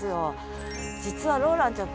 実はローランちゃん